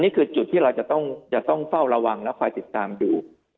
มันคือจุดที่เราจะต้องต้องเฝ้าระวังและความติดตามดู